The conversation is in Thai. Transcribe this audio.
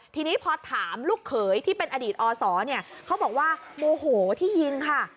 ทีนี้พอถามลูกเขยที่เป็นอดีตอศเนี่ยเขาบอกว่าโมโหที่ยิงค่ะ